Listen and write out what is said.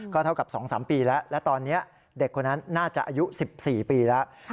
เท่ากับ๒๓ปีแล้วและตอนนี้เด็กคนนั้นน่าจะอายุ๑๔ปีแล้ว